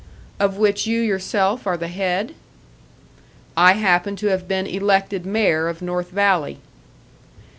"Of which you yourself are the head?" "I happen to have been elected mayor of North Valley."